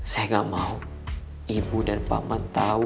saya gak mau ibu dan paman tahu